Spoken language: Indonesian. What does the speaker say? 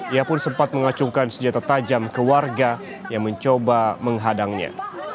ia pun sempat mengacungkan senjata tajam ke warga yang mencoba menghadangnya